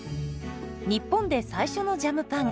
日本で最初のジャムパン。